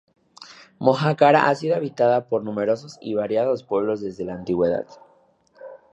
Mojácar ha sido habitada por numerosos y variados pueblos desde la antigüedad.